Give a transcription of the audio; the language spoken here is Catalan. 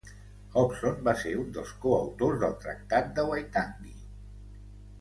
Hobson va ser un dels coautors del Tractat de Waitangi.